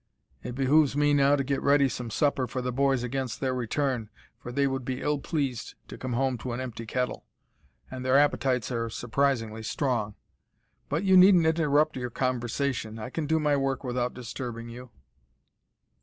"It behoves me now to get ready some supper for the boys against their return, for they would be ill pleased to come home to an empty kettle, and their appetites are surprisingly strong. But you needn't interrupt your conversation. I can do my work without disturbing you."